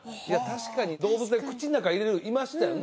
確かに動物で口の中に入れるのいましたよね